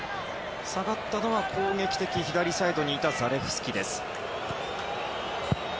下がったのは攻撃的左サイドにいたザレフスキです。